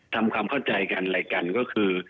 ทำความเข้าใจกันอะไรกันก็คือ